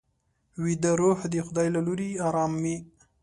ویده روح د خدای له لوري ارام وي